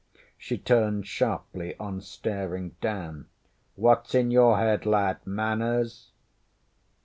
ŌĆÖ She turned sharply on staring Dan. ŌĆśWhatŌĆÖs in your head, lad? Manners?